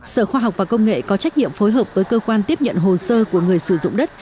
sở khoa học và công nghệ có trách nhiệm phối hợp với cơ quan tiếp nhận hồ sơ của người sử dụng đất